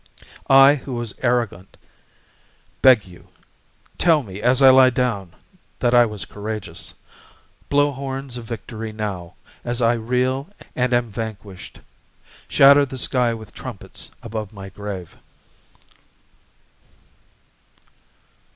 I, who was arrogant, beg you! Tell me, as I lie down, that I was courageous. Blow horns of victory now, as I reel and am vanquished. Shatter the sky with trumpets above my grave.